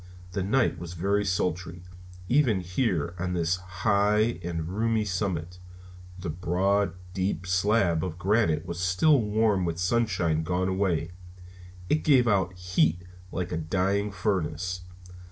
The night was very sultry, even here on this high and roomy summit. The broad, deep slab of granite was still warm with sunshine gone away, and gave out heat like a dying furnace.